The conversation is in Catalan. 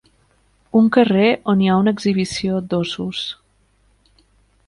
Un carrer on hi ha una exhibició d'óssos.